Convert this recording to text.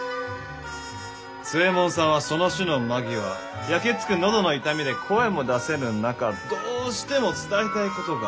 津右衛門さんはその死の間際焼け付く喉の痛みで声も出せぬ中どうしても伝えたいことがあった。